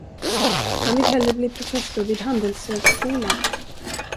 Han vill hellre bli professor vid handelshögskolan.